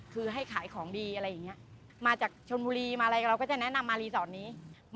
คือให้ขายของดีอะไรอย่างนี้